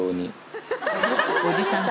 おじさん